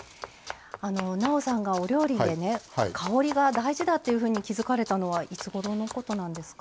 なおさんがお料理で香りが大事だっていうふうに気付かれたのはいつごろのことなんですか？